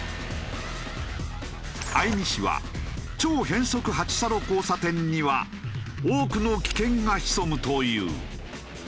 相見氏は超変則８叉路交差点には多くの危険が潜むと言う。